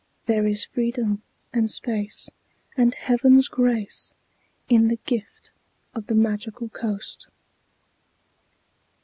There is freedom and space and Heaven's grace In the gift of the Magical Coast.